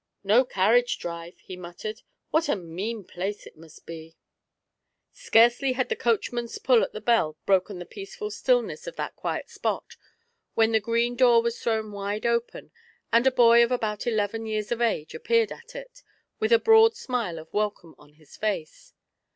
" No carriage drive," he muttered; "what a mean place it must be !" THE AURIVAI^ Scarcely had the coachman's pull at tiie bell broken the peaceful stiCness of that quiet spot, when the green door was thrown wide open, and a boy of about eleven years of age appeared at itj with a broad smile of wel come on his face.